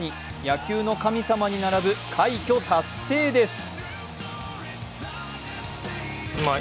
野球の神様に並ぶ快挙達成です。